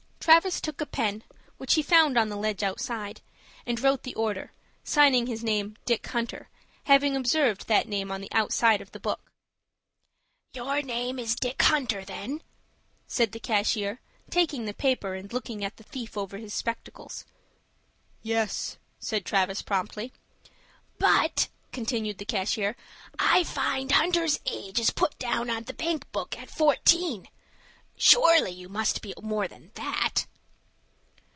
Travis took a pen, which he found on the ledge outside, and wrote the order, signing his name "Dick Hunter," having observed that name on the outside of the book. "Your name is Dick Hunter, then?" said the cashier, taking the paper, and looking at the thief over his spectacles. "Yes," said Travis, promptly. "But," continued the cashier, "I find Hunter's age is put down on the bank book as fourteen. Surely you must be more than that."